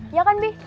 iya kan bi